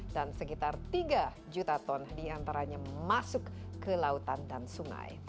dan sekitar tiga juta ton diantaranya masuk ke lautan dan sungai